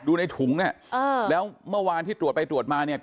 ในถุงเนี่ยอ่าแล้วเมื่อวานที่ตรวจไปตรวจมาเนี่ย